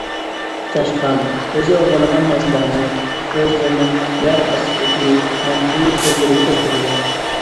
چاشقان ئۆزى ئوغرىلىغان نەرسىلەرنى ئۆزلىرىنىڭ يەر ئاستىدىكى مەخپىي ئۆيلىرىگە توشقۇزىدۇ.